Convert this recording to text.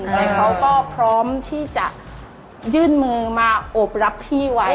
แต่เขาก็พร้อมที่จะยื่นมือมาอบรับพี่ไว้